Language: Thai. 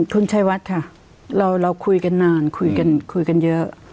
คุณชัยวัดค่ะเราคุยกันนานคุยกันคุยกันเยอะ